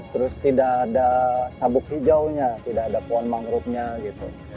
terus tidak ada sabuk hijaunya tidak ada pohon mangrovenya gitu